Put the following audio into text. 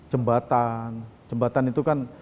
jembatan jembatan itu kan